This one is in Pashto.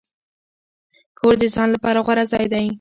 کور د ځان لپاره غوره ځای دی.